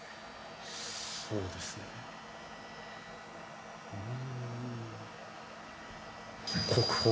そうですねうん「国宝」！